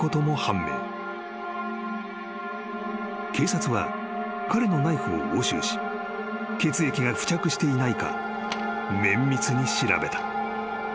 ［警察は彼のナイフを押収し血液が付着していないか綿密に調べた］